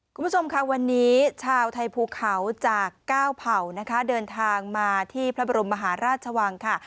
คุณผู้ชมค่ะวันนี้ชาวไทยภูเขาจากเก้าเผ่านะคะเดินทางมาที่พระบรมมหาราชวังค่ะ